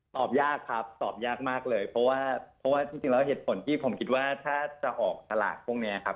ตอบยากครับตอบยากมากเลยเพราะว่าเพราะว่าจริงแล้วเหตุผลที่ผมคิดว่าถ้าจะออกสลากพวกนี้ครับ